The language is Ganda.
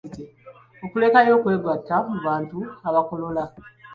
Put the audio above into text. Okulekayo okwegatta mu bantu abakolola.